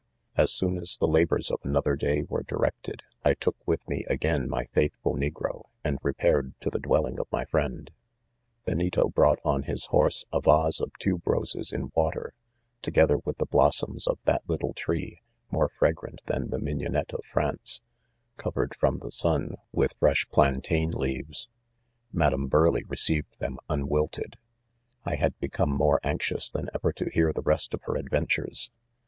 "As soon as "the labors of another day were directed, I took with me again my faithful ne gro, and repaired to the dwelling of mj friend, .$%. 1D0MEH. ■"■■Benito brought ob his horB© a vase of tube roses in water, together with the blossoms ©f that little tree, more fragrant than the inignob nette of France ;■ covered, from the ! sun ; with fresh plantam :; leaVe|s^ Madam Burleigh re ceived them un wilted. N I had become more anxious than ever to h^nx the rest of her ad ventures.